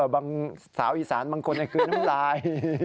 สาวอีสานบางคนคือน้ำลาย